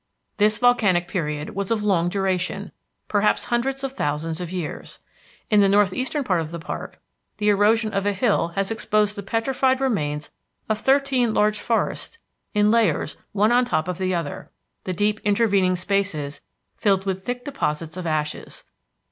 This volcanic period was of long duration, perhaps hundreds of thousands of years. In the northeastern part of the park the erosion of a hill has exposed the petrified remains of thirteen large forests in layers one on top of the other, the deep intervening spaces filled with thick deposits of ashes.